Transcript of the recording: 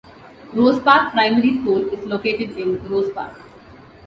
Rose Park Primary School is located in Rose Park.